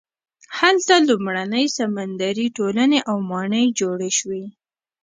هلته لومړنۍ سمندري ټولنې او ماڼۍ جوړې شوې.